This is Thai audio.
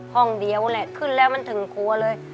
ห้องเดียวแหละขึ้นแล้วมันถึงครัวเลย